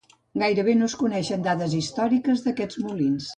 Gairebé no es coneixen dades històriques d'aquests molins.